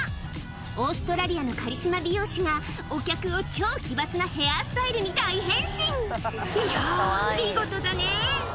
オーストラリアのカリスマ美容師がお客を超奇抜なヘアスタイルに大変身いや見事だね